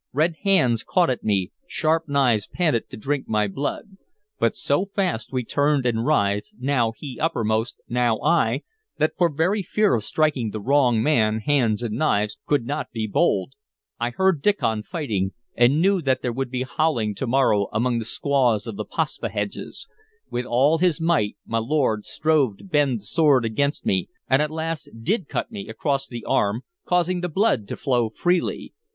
Red hands caught at me, sharp knives panted to drink my blood; but so fast we turned and writhed, now he uppermost, now I, that for very fear of striking the wrong man hands and knives could not be bold. I heard Diccon fighting, and knew that there would be howling tomorrow among the squaws of the Paspaheghs. With all his might my lord strove to bend the sword against me, and at last did cut me across the arm, causing the blood to flow freely.